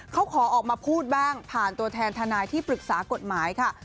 เขาขอออกมาพูดบ้างผ่านตัวแทนทนายที่ปรึกษากฎหมายค่ะ